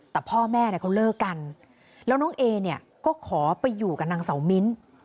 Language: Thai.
แต่พ่อแม่เนี่ยเขาเลิกกันแล้วน้องเอเนี่ยก็ขอไปอยู่กับนางเสามิ้น